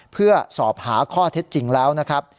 เพื่อสอบหาข้อเท็จจริงแล้วนะครับ